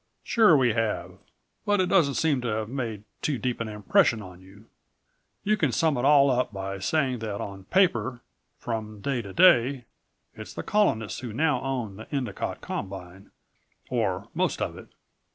"Sure we have. But it doesn't seem to have made too deep an impression on you. You can sum it all up by saying that on paper, from day to day, it's the Colonists who now own the Endicott Combine, or most of it.